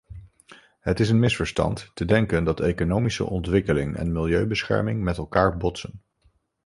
Het is een misverstand te denken dat economische ontwikkeling en milieubescherming met elkaar botsen.